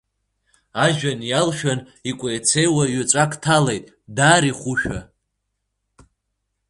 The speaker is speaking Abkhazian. Ажәҩан иалшәан икәеицеиуа, еҵәак ҭалеит даара ихәушәа.